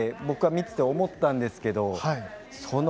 僕は見ていて思ったんですが。